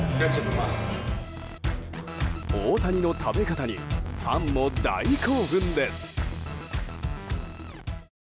大谷の食べ方にファンも大興奮です。